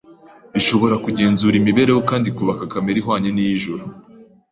ishobora kugenzura imibereho kandi ikubaka kamere ihwanye n’iy’ijuru.